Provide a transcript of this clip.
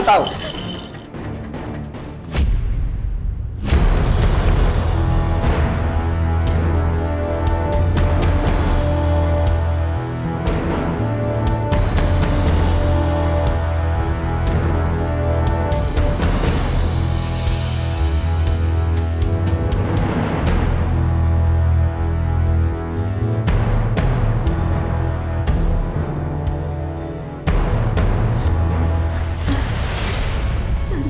tante cuma mau kasih